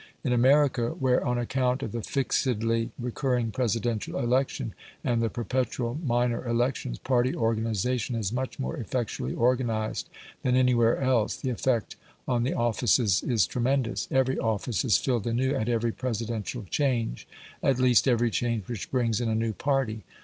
In America, where on account of the fixedly recurring presidential election, and the perpetual minor elections, party organisation is much more effectually organised than anywhere else, the effect on the offices is tremendous. Every office is filled anew at every presidential change, at least every change which brings in a new party.